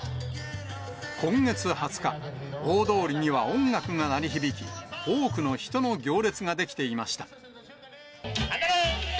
今月２０日、大通りには音楽が鳴り響き、多くの人の行列が出来ていました。